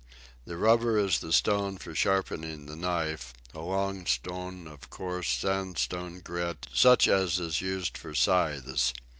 The rubber is the stone for sharpening the knife a long stone of coarse sandstone grit, such as is used for scythes.